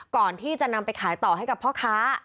ก่อนที่จะนำไปขายต่อให้กับพ่อค้า